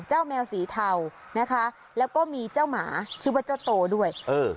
แมวสีเทานะคะแล้วก็มีเจ้าหมาชื่อว่าเจ้าโตด้วยเออ